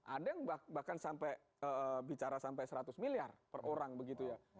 ada yang bahkan sampai bicara sampai seratus miliar per orang begitu ya